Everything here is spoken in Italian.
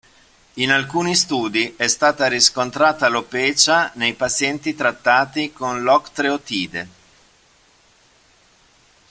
In alcuni studi è stata riscontrata alopecia nei pazienti trattati con l'octreotide.